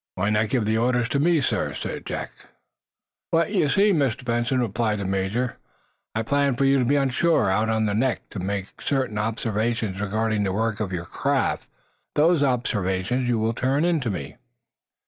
"Why not give the orders to me, sir?" Jack asked. "Why, you see, Mr. Benson," replied the major, "I plan for you to be on shore, out on the neck, to make certain observations regarding the work of your craft. Those observations you will turn in to me."